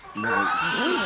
すごいな。